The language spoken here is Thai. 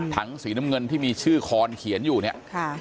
สีน้ำเงินที่มีชื่อคอนเขียนอยู่เนี่ยค่ะ